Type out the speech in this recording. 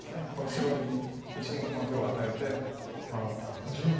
白に１目の手を与えて守ったので。